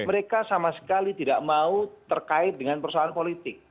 mereka sama sekali tidak mau terkait dengan persoalan politik